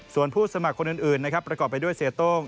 ส่วนผู้สมัครคนอื่นนะครับประกอบไปด้วยเสียโต้ง